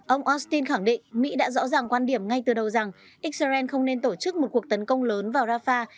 ông austin khẳng định mỹ đã rõ ràng quan điểm ngay từ đầu rằng israel không nên tổ chức một cuộc tấn công lớn vào rafah